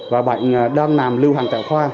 và bệnh đang nằm lưu hàng tại khoa